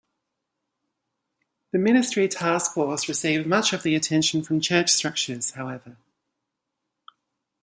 The Ministry task force received much of the attention from church structures, however.